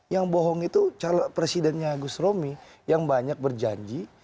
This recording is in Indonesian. yang bohong itu presidennya gus romy yang banyak berjanji